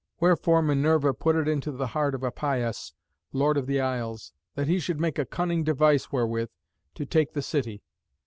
Wherefore Minerva put it into the heart of Epeius, Lord of the Isles, that he should make a cunning device wherewith to take the city.